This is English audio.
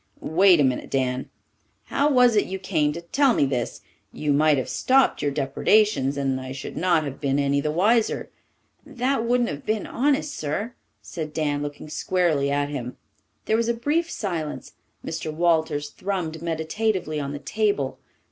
"Wait a minute, Dan. How was it you came to tell me this? You might have stopped your depredations, and I should not have been any the wiser." "That wouldn't have been honest, sir," said Dan, looking squarely at him. There was a brief silence. Mr. Walters thrummed meditatively on the table.